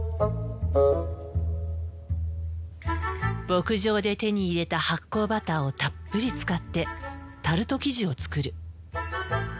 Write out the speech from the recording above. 牧場で手に入れた発酵バターをたっぷり使ってタルト生地を作る。